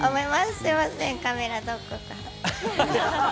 すみません、カメラどこか。